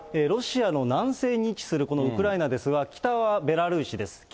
ロシアの南西に位置するこのウクライナですが、北はベラルーシです。